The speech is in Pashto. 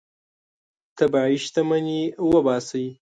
طبیعي شتمني وباسئ.